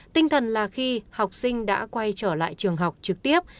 tinh thần là khi học sinh đã quay trở lại trường học trực tiếp